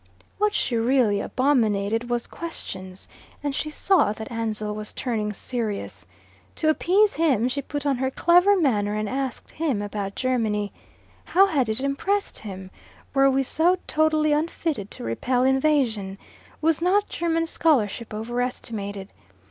What she really abominated was questions, and she saw that Ansell was turning serious. To appease him, she put on her clever manner and asked him about Germany. How had it impressed him? Were we so totally unfitted to repel invasion? Was not German scholarship overestimated?